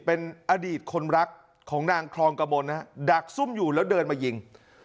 เป็นอดีตคนรักของนางคลองกระมนนะฮะดักซุ่มอยู่แล้วเดินมายิง